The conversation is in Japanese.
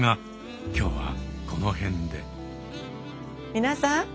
皆さん。